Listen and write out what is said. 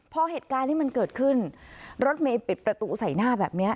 พอเหตุการณ์ที่มันเกิดขึ้นรถเมย์ปิดประตูใส่หน้าแบบนี้